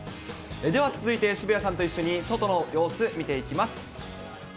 では続いて渋谷さんと一緒に外の様子、見ていきます。